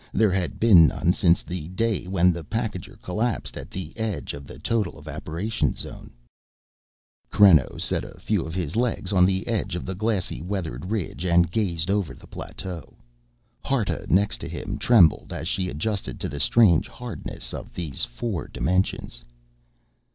There had been none since the day when the packager collapsed, at the edge of the total evaporation zone. Creno set a few of his legs on the edge of the glassy, weathered ridge and gazed over the plateau. Harta, next to him, trembled as she adjusted to the strange hardness of these four dimensions.